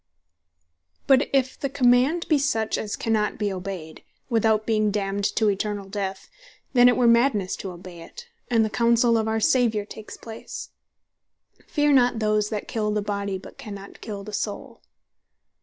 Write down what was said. But if the command be such, as cannot be obeyed, without being damned to Eternall Death, then it were madnesse to obey it, and the Counsell of our Saviour takes place, (Mat. 10. 28.) "Fear not those that kill the body, but cannot kill the soule."